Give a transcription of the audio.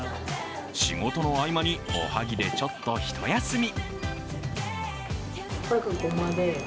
仕事の合間におはぎでちょっと一休み。